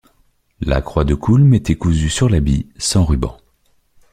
La Croix de Kulm était cousue sur l'habit, sans ruban.